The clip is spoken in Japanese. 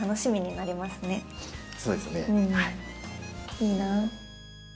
いいなあ。